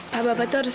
pak bapak itu harus